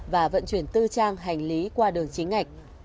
và vận chuyển tư trang hành lý qua đường chính ngạch